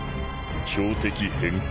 標的変更。